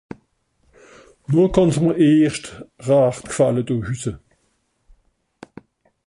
No kànn's mìr erscht rächt gfàlle do hüsse